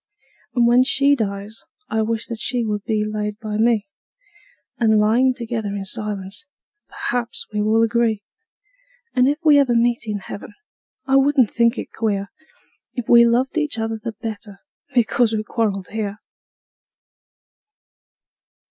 And when she dies I wish that she would be laid by me, And, lyin' together in silence, perhaps we will agree; And, if ever we meet in heaven, I wouldn't think it queer If we loved each other the better because we quarreled here.